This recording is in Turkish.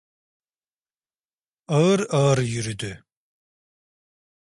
Ağır ağır yürüdü…